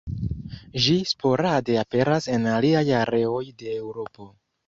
Ĝi sporade aperas en aliaj areoj de Eŭropo.